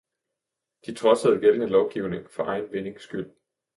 De trodsede gældende lovgivning for egen vindings skyld.